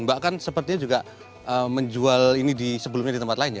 mbak kan sepertinya juga menjual ini di sebelumnya di tempat lain ya